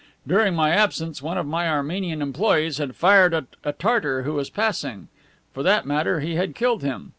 During my absence one of my Armenian employees had fired at a Tartar who was passing. For that matter, he had killed him.